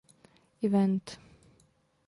Event.